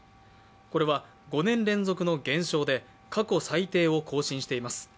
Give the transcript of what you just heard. これは５年連続の減少で過去最低を更新しています。